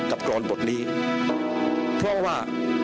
กรอนบทนี้เพราะว่า